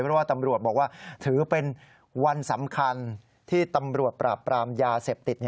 เพราะว่าตำรวจบอกว่าถือเป็นวันสำคัญที่ตำรวจปราบปรามยาเสพติด